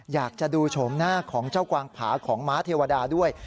อยากจะดูโฉมหน้าของเจ้ากวางผาของม้าเทวดาด้วย